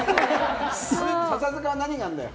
笹塚に何があるんだよ。